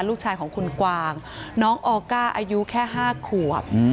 ลูกชายของคุณกวางน้องออก้าอายุแค่๕ขวบ